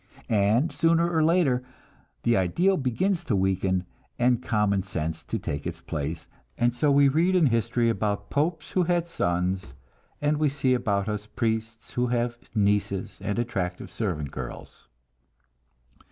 And sooner or later the ideal begins to weaken, and common sense to take its place, and so we read in history about popes who had sons, and we see about us priests who have "nieces" and attractive servant girls.